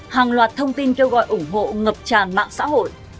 hàng loạt thông tin kêu gọi ủng hộ ngập tràn mạng xã hội